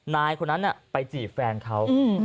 นายคนนั้นไปจีบแฟนเขา